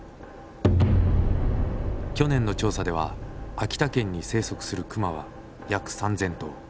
去年の調査では秋田県に生息する熊は約３，０００頭。